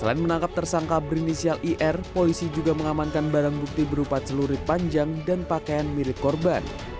selain menangkap tersangka berinisial ir polisi juga mengamankan barang bukti berupa celurit panjang dan pakaian milik korban